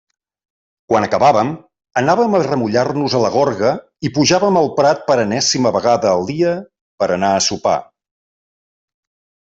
Quan acabàvem, anàvem a remullar-nos a la gorga, i pujàvem el prat per enèsima vegada al dia per a anar a sopar.